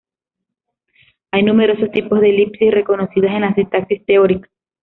Hay numerosos tipos de elipsis reconocidas en la sintaxis teórica.